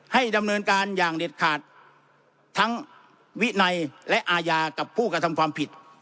ให้ดำเนินการอย่างเด็ดขาดทั้งวินัยและอาญากับผู้กระทำความผิด